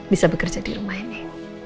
bisa bekerja di rumah ini